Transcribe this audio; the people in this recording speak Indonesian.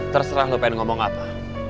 terserah lo pengen ngomong apa